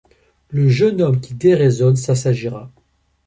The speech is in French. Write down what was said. Le jeune homme qui déraisonne s'assagira.